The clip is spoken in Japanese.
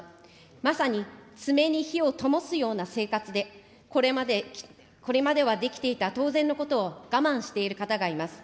まさに爪に火をともすような生活で、これまで、これまではできていた当然のことを我慢している方がいます。